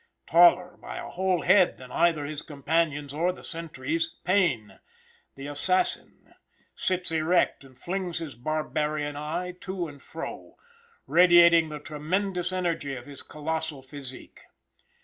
Taller by a whole head than either his companions or the sentries, Payne, the assassin, sits erect, and flings his barbarian eye to and fro, radiating the tremendous energy of his colossal physique.